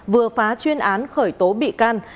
vừa phá chuyên án khởi tố bị can